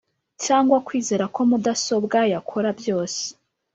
cyangwa kwizera ko mudasobwa yakora byose